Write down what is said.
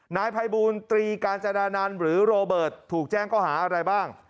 นายพัยบูรณ์ตรีกาจาดานันหรือโรเบิร์ตถูกแจ้งความผิดใจอะไรบ้าง